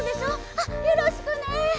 あよろしくね！